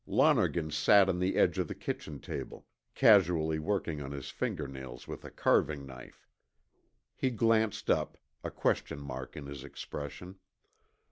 Lonergan sat on the edge of the kitchen table, casually working on his fingernails with a carving knife. He glanced up, a question mark in his expression.